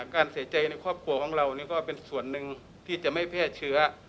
การเสียใจในครอบครัวของเราก็เป็นส่วนหนึ่งที่จะไม่แพร่เชื้อ